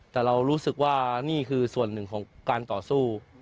แต่เรารู้สึกว่านี่คือส่วนหนึ่งของการต่อสู้